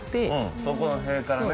そこの塀からね。